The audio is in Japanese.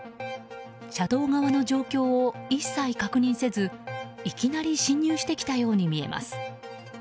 車道側の状況を一切確認せずいきなり進入してきたように見えます。